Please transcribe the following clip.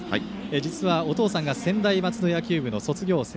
実は、お父さんが専大松戸野球部の卒業生。